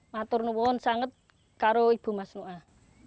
mak ternyata sangat kalau ibu mas nuah